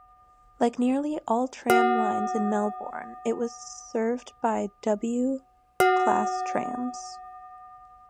Like nearly all trams lines in Melbourne, it was served by W class trams.